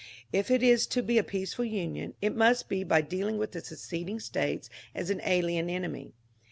If it is to be a peaceful Union it must be by dealing with the seceding States as an alien enemy.